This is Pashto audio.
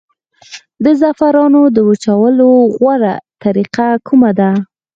د زعفرانو د وچولو غوره طریقه کومه ده؟